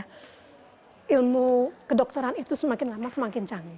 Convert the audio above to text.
karena ilmu kedokteran itu semakin lama semakin cantik